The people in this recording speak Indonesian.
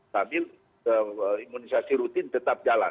sambil imunisasi rutin tetap jalan